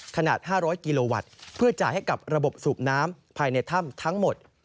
ขนาด๕๐๐กิโลวัตต์เพื่อจ่ายให้กับระบบสูบน้ำภายในถ้ำทั้งหมด